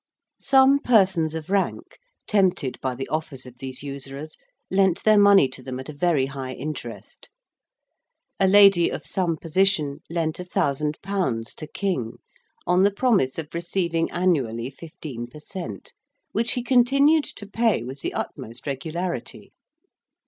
Some persons of rank, tempted by the offers of these usurers, lent their money to them at a very high interest. A lady of some position lent a thousand pounds to King, on the promise of receiving annually 15 per cent.; which he continued to pay with the utmost regularity.